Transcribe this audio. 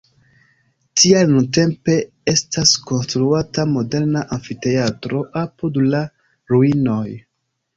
Tial nuntempe estas konstruata moderna amfiteatro apud la ruinoj.